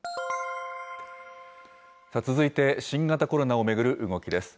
続いて、新型コロナを巡る動きです。